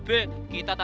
berhasil kita ya